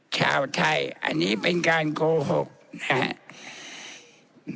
ชาวไทยอันนี้เป็นการโกหกนะครับ